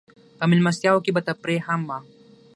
په مېلمستیاوو کې به تفریح هم وه.